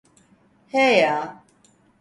He ya.